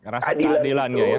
rasa keadilannya ya